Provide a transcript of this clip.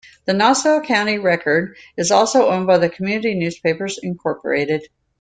The Nassau County Record is also owned by Community Newspapers Incorporated.